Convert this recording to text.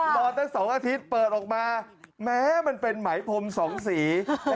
รอตั้ง๒อาทิตย์เปิดออกมาแม้มันเป็นไหมพรมสองสี